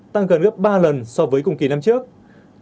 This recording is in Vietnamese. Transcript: tăng gần gấp ba lần so với cùng kỳ năm trước